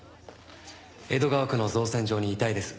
江戸川区の造船所に遺体です。